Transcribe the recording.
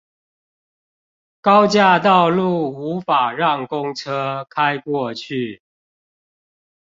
高架道路無法讓公車開過去